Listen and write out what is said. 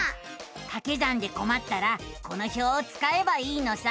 かけ算でこまったらこの表をつかえばいいのさ。